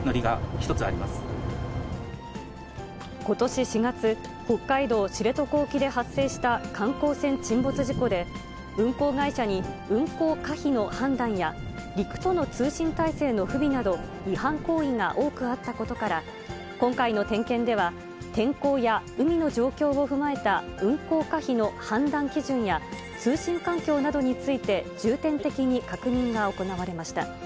１つ、ことし４月、北海道知床沖で発生した観光船沈没事故で、運行会社に運行可否の判断や、陸との通信体制の不備など違反行為が多くあったことから、今回の点検では、天候や海の状況を踏まえた運航可否の判断基準や、通信環境などについて重点的に確認が行われました。